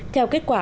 theo kết quả